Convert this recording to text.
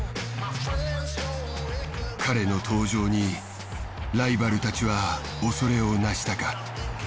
彼の登場にライバルたちは恐れをなしたか。